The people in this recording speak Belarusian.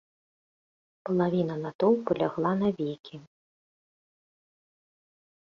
Палавіна натоўпу лягла навекі.